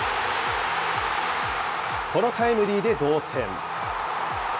このタイムリーで同点。